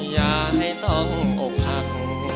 อย่าให้ต้องอกหัก